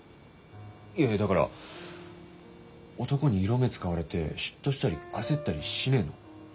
いやだから男に色目使われて嫉妬したり焦ったりしねえの？